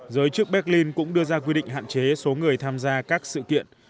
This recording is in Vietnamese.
giới chức berlin cũng đưa ra quy định hạn chế số người tham gia các sự kiện